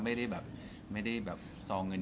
ไม่ได้ซองเงินเยอะแต่สนุกสนาน